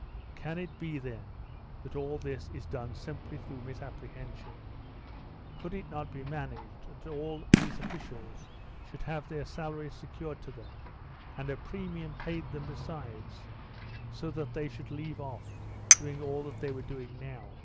"Can it be, then, that all this is done simply through misapprehension? Could it not be managed that all these officials should have their salaries secured to them, and a premium paid them, besides, so that they should leave off, doing all that they were doing now?"